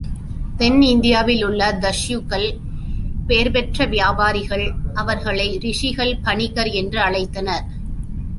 தென் இந்தியாவிலுள்ள தஸ்யூக்கள், பேர் பெற்ற வியாபாரிகள், அவர்களை ரிஷிகள், பணிக்கர் என்று அழைத்தனர்.